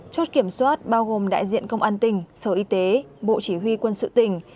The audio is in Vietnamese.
chốt kiểm soát bao gồm đại diện công an tỉnh sở y tế bộ chỉ huy quân sự tỉnh